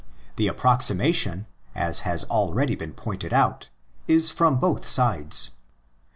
The approximation, as has. already been pointed out, is from both sides.